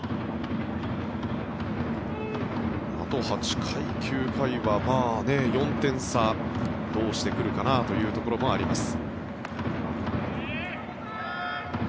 あと８回、９回は４点差どうしてくるかなというところもあります。